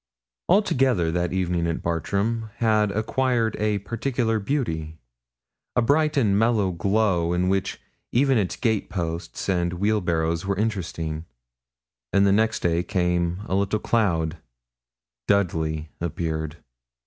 Altogether that evening Bartram had acquired a peculiar beauty a bright and mellow glow, in which even its gate posts and wheelbarrow were interesting, and next day came a little cloud Dudley appeared.